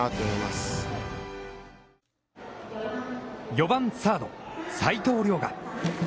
４番サード齋藤崚雅。